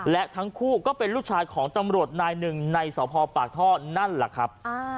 และทั้งคู่ก็เป็นลูกชายของตำรวจนายหนึ่งในสพปากท่อนั่นแหละครับ